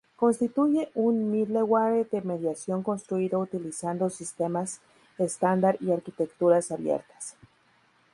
Constituye un middleware de mediación construido utilizando sistemas estándar y arquitecturas abiertas.